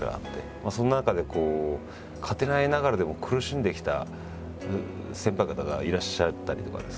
その中でこう勝てないながらでも苦しんできた先輩方がいらっしゃったりとかですね